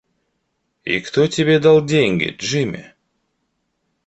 И кто тебе дал деньги, Джимми?